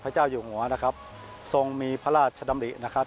เจ้าอยู่หัวนะครับทรงมีพระราชดำรินะครับ